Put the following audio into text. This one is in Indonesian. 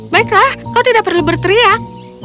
baiklah kau tidak perlu berteriak